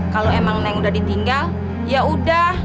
kalau emang neng udah ditinggal yaudah